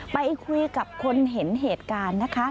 ไปคุยกับคนเห็นเหตุการณ์นะคะ